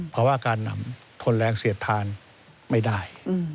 เพราะว่าการนำทนแรงเสียทานไม่ได้